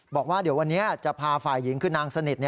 บอกว่าเดี๋ยววันนี้จะพาฝ่ายหญิงคือนางสนิท